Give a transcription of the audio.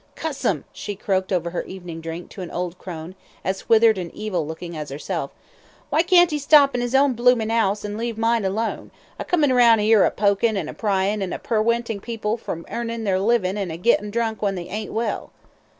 "Cuss 'im," she croaked over her evening drink, to an old crone, as withered and evil looking as herself, "why can't 'e stop in 'is own bloomin' 'ouse, an' leave mine alone a comin' round 'ere a pokin' and pryin' and a perwenting people from earnin' their livin' an' a gittin' drunk when they ain't well."